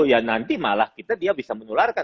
ya nanti malah kita dia bisa menularkan